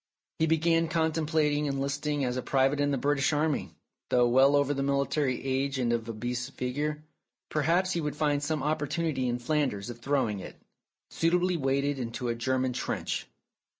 He began contem plating enlisting as a private in the British army, though well over the military age and of obese figure. 304 Philip's Safety Razor Perhaps he would find some opportunity in Flanders of throwing it, suitably weighted, into a German trench.